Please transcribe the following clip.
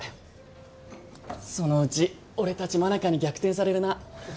そのうち俺たち真中に逆転されるな。